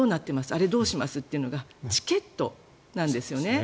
アレ、どうします？というのがチケットなんですよね。